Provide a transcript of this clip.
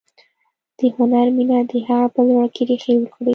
د هنر مینه د هغه په زړه کې ریښې وکړې